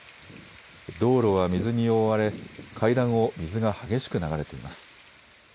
道路は水に覆われ階段を水が激しく流れています。